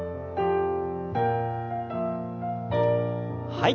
はい。